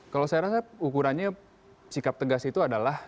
kalau saya rasa ukurannya sikap tegas itu adalah